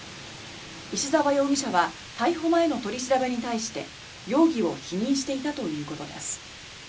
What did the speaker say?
石澤容疑者は逮捕前の取り調べに対して容疑を否認していたということです。